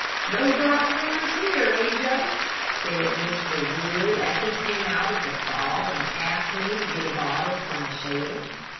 "No dark corners here, eh Joe!" said Mr. Wood, as he came out of the stall and passed me to get a bottle from a shelf.